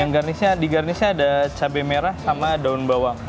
yang garnish nya di garnish nya ada cabai merah sama daun bawang